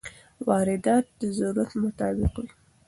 واردات د ضرورت مطابق وي.